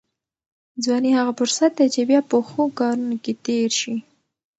ځواني هغه فرصت دی چې باید په ښو کارونو کې تېر شي.